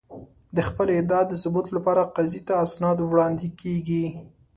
د خپلې ادعا د ثبوت لپاره قاضي ته اسناد وړاندې کېږي.